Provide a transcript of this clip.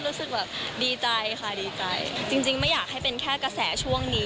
รู้สึกแบบดีใจค่ะดีใจจริงไม่อยากให้เป็นแค่กระแสช่วงนี้